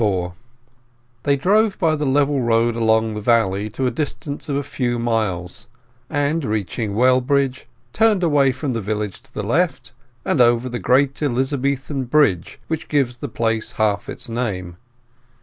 XXXIV They drove by the level road along the valley to a distance of a few miles, and, reaching Wellbridge, turned away from the village to the left, and over the great Elizabethan bridge which gives the place half its name.